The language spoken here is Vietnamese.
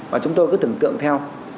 và chúng tôi cứ tưởng tượng theo